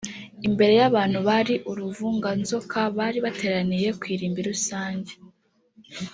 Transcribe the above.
Imbere y’abantu bari uruvunganzoka bari bateraniye ku irimbi rusange